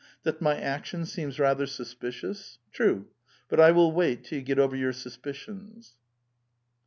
''That my action seems rather suspicious? True; but I will wait till you get over your suspicions."